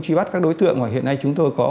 truy bắt các đối tượng mà hiện nay chúng tôi có